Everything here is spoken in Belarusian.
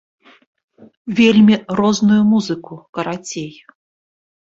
Вельмі розную музыку, карацей.